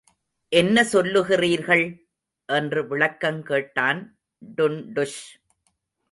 என்ன சொல்லுகிறீர்கள்? என்று விளக்கங் கேட்டான் டுன்டுஷ்.